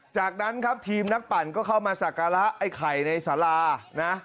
จากนั้นครับทีมนักปั่นก็เข้ามาสักการะไอ้ไข่ในสารานะ